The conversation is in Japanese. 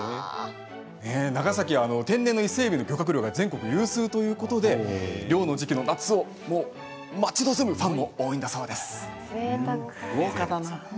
長崎は天然の伊勢えびの漁獲量が全国有数ということで漁の時期の夏を待ち望むファンも多いそうです。